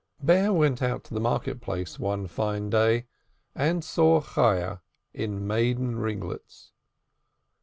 Bear went out in the market place one fine day and saw Chayah in maiden ringlets.